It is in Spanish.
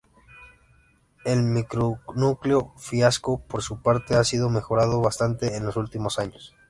El micronúcleo Fiasco por su parte, ha sido mejorado bastante en los últimos años.